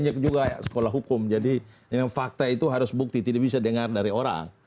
banyak juga sekolah hukum jadi fakta itu harus bukti tidak bisa dengar dari orang